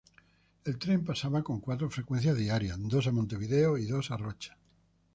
El tren pasaba con cuatro frecuencias diarias, dos a Montevideo y dos a Rocha.